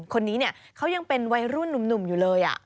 คนนี้เนี่ยเขายังเป็นวัยรุ่นหนุ่มอยู่เลย